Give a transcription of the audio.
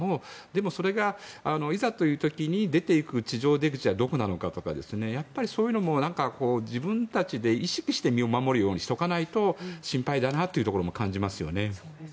も、それがいざという時に出ていく地上出口はどこなのかとかそういうのも自分たちで意識して身を守るようにしておかないと心配だなというところも感じますよね。